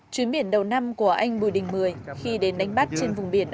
chuyến biển đầu năm của anh bùi đình mười khi đến đánh bắt trên vùng biển